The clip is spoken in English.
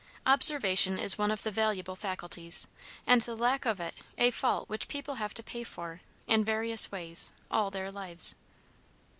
Observation is one of the valuable faculties, and the lack of it a fault which people have to pay for, in various ways, all their lives.